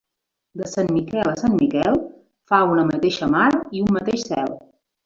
De sant Miquel a sant Miquel fa una mateixa mar i un mateix cel.